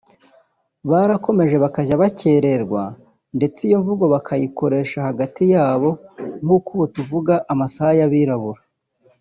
ngo barakomeje bakajya bakererwa ndetse iyo mvugo bakayikoresha hagati yabo nk’uko ubu tuvuga “amasaha y’Abirabura”